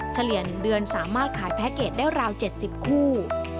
เฉลี่ย๑เดือนสามารถขายแพ็คเกจได้ราว๗๐คู่